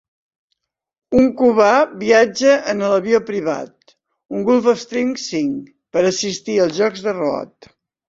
Un cubà viatja en el avió privat, un Gulfstream V, per assistir als jocs de Road.